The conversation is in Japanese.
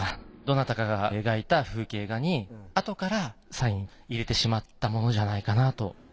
どなたかが描いた風景画にあとからサイン入れてしまったものじゃないかなと。